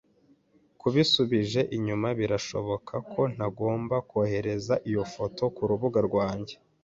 Kubisubije inyuma, birashoboka ko ntagomba kohereza iyo foto kurubuga rwanjye.